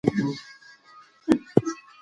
قانون د اداري کړنو ارزونه ممکنوي.